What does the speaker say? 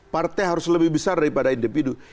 partai harus lebih besar daripada individu